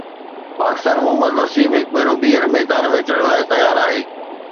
boxer Muhammad Waseem هڪ ڀيرو ٻيهر ميدان ۾ اچڻ لاءِ تيار آهي